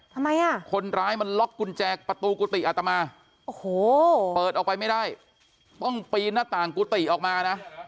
ทำไมอ่ะคนร้ายมันล็อกกุญแจประตูกุฏิอัตมาโอ้โหเปิดออกไปไม่ได้ต้องปีนหน้าต่างกุฏิออกมานะ